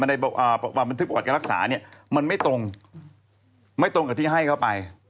ในบันทึกประวัติการรักษาเนี่ยมันไม่ตรงไม่ตรงกับที่ให้เข้าไป